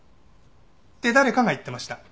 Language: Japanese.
って誰かが言ってました。